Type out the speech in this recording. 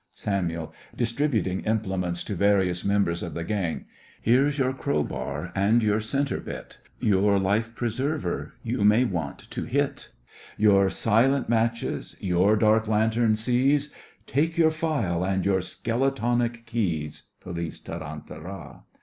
SAMUEL: (distributing implements to various members of the gang) Here's your crowbar and your centrebit, Your life preserver—you may want to hit! Your silent matches, your dark lantern seize, Take your file and your skeletonic keys. POLICE: Tarantara!